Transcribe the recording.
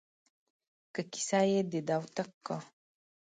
که کيسه يې د دوتک کا